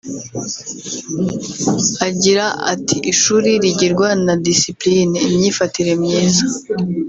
Agira ati “Ishuri rigirwa na ‘displine’ (imyifatire myiza)